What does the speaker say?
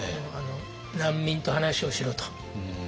難民と話をしろと。